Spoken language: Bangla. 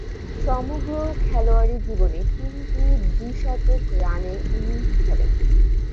সমগ্র খেলোয়াড়ী জীবনে তিনটি দ্বি-শতক রানের ইনিংস খেলেন।